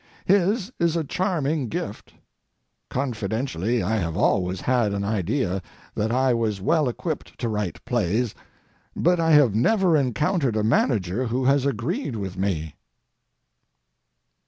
His is a charming gift. Confidentially I have always had an idea that I was well equipped to write plays, but I have never encountered a manager who has agreed with me.